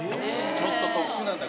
ちょっと特殊なんだ